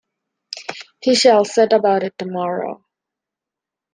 He shall set about it tomorrow.